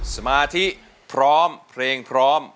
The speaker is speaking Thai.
สมาธิพร้อมเพลงพร้อม